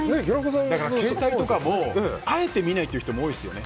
携帯とかもあえて見ないという人も多いですよね。